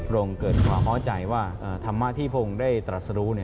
โรงเกิดความเข้าใจว่าธรรมที่พวกเราได้ตรัสรู้